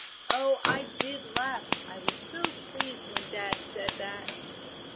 Oh, I did laugh, I was so pleased when dad said that!"